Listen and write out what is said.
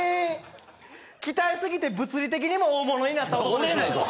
鍛え過ぎて物理的にも大物になった男です。